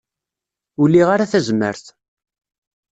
Ur liɣ ara tazmert.